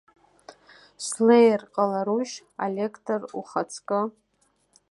Слеир ҟаларушь, алектор ухаҵкы?